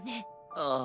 ああ。